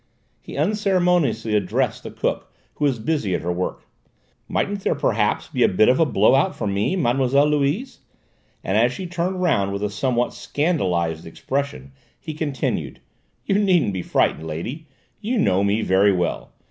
He unceremoniously addressed the cook who was busy at her work: "Mightn't there perhaps be a bit of a blow out for me, Mme. Louise?" and as she turned round with a somewhat scandalised expression he continued: "you needn't be frightened, lady, you know me very well.